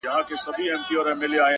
او خبرو باندي سر سو”